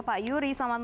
pak yury selamat malam